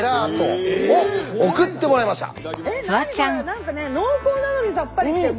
何かね濃厚なのにさっぱりしてる。